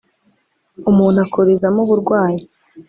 umuntu akurizamo uburwayi